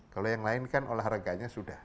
kalau yang lain kan olahraganya sudah